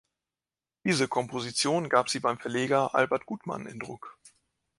Diese Komposition gab sie beim Verleger Albert Gutmann in Druck.